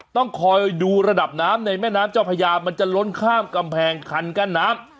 ต้องคอยดูระดับน้ำในแม่น้ำเจ้าพญามันจะล้นข้ามกำแพงคันกั้นน้ำ